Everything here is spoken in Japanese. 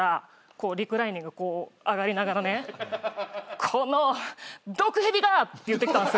こうリクライニング上がりながらね「この毒蛇が！」って言ってきたんすよ。